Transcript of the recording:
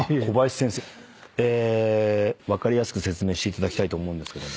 え分かりやすく説明していただきたいと思うんですけども。